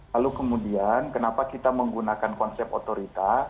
lalu kemudian kenapa kita menggunakan konsep otorita